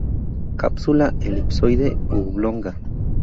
Cápsula elipsoide u oblonga.